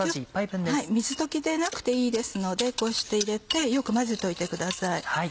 水溶きでなくていいですのでこうして入れてよく混ぜておいてください。